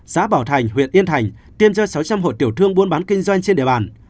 xã bảo thành huyện yên thành tiêm ra sáu trăm linh hội tiểu thương buôn bán kinh doanh trên địa bàn